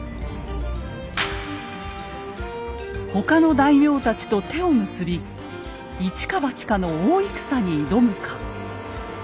他の大名たちと手を結び一か八かの大戦に挑むか。